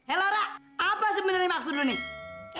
hei lora apa sebenernya maksud lu nih